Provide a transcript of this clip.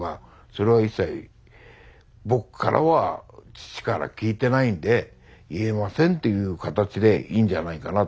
それは一切僕からは父から聞いてないんで言えませんっていう形でいいんじゃないかなとは思うんで。